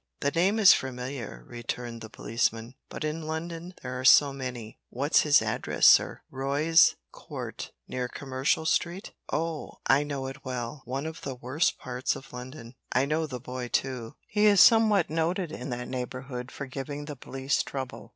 "The name is familiar," returned the policeman, "but in London there are so many what's his address, sir, Roy's Court, near Commercial Street? Oh! I know it well one of the worst parts of London. I know the boy too. He is somewhat noted in that neighbourhood for giving the police trouble.